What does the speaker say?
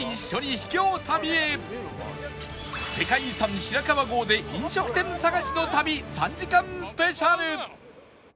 世界遺産白川郷で飲食店探しの旅３時間スペシャル